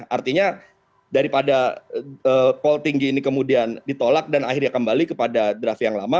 artinya daripada pol tinggi ini kemudian ditolak dan akhirnya kembali kepada draft yang lama